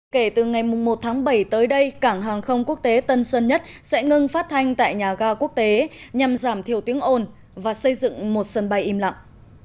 kể từ ngày một tháng bảy tới đây cảng hàng không quốc tế tân sơn nhất sẽ ngưng phát thanh tại nhà ga quốc tế nhằm giảm thiểu tiếng ồn và xây dựng một sân bay im lặng